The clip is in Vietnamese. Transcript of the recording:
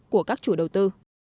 của các chủ đầu tư